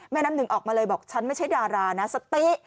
น้ำหนึ่งออกมาเลยบอกฉันไม่ใช่ดารานะสติ